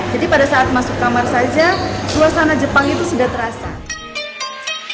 jadi pada saat masuk kamar saja suasana jepang itu sudah terasa